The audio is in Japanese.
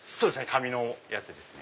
紙のやつですね。